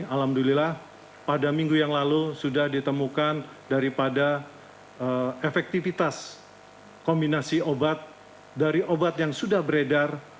alhamdulillah pada minggu yang lalu sudah ditemukan daripada efektivitas kombinasi obat dari obat yang sudah beredar